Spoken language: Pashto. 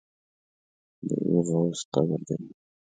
د یوه غوث قبر دی.